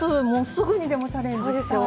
すぐにでもチャレンジしたい。